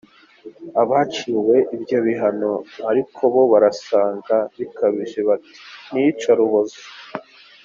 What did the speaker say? Abaciwe ibyo bihano ariko bo barasanga bikabije bati ni iyicarubozo.